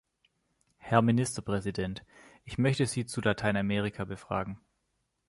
Herr Ministerpräsident, ich möchte Sie zu Lateinamerika befragen.